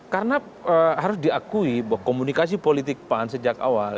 karena harus diakui bahwa komunikasi politik pan sejak awal